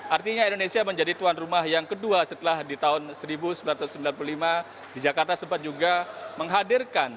artinya indonesia menjadi tuan rumah yang kedua setelah di tahun seribu sembilan ratus sembilan puluh lima di jakarta sempat juga menghadirkan